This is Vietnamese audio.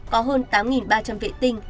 có hơn tám ba trăm linh vệ tinh